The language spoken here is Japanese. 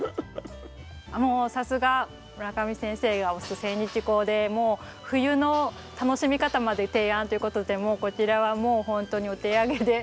もうさすが村上先生が推すセンニチコウで冬の楽しみ方まで提案ということでもうこちらはほんとにお手上げで。